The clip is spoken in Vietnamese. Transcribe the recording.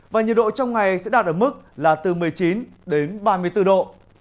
và nhiệt độ trong ngày sẽ đạt ở mức là từ một mươi chín đến ba mươi bốn độ